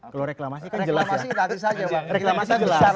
kalau reklamasi kan jelas